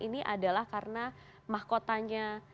ini adalah karena mahkotanya